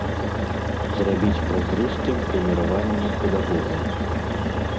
Зрабіць празрыстым прэміраванне педагогаў.